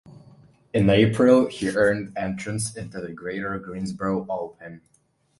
In April he earned entrance into the Greater Greensboro Open.